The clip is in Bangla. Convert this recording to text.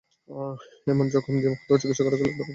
এমন জখম নিয়ে কোথাও চিকিৎসা করা গেলেই ধরা পড়ে যেতে হবে।